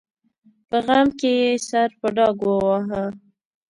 په غم کې یې سر په ډاګ وواهه.